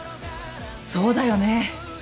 そうだよね。